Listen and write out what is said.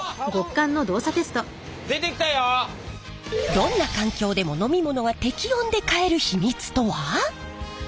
どんな環境でも飲み物が適温で買える秘密とは？